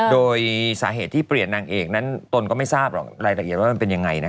โดยสาเหตุที่เปลี่ยนนางเอกนั้นตนก็ไม่ทราบหรอกรายละเอียดว่ามันเป็นยังไง